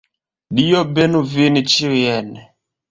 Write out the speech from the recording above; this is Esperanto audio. Dio benu vin ĉiujn.